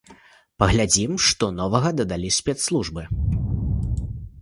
Паглядзім, што новага дадалі спецслужбы.